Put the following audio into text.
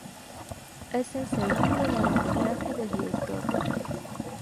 Es el segundo largometraje del director.